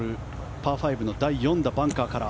パー５の第４打バンカーから。